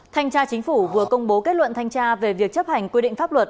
thanh tra chính phủ vừa công bố kết luận thanh tra về việc chấp hành quy định pháp luật